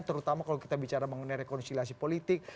terutama kalau kita bicara mengenai rekonsiliasi politik